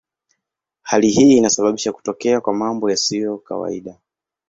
Hali hii inasababisha kutokea kwa mambo yasiyo kawaida.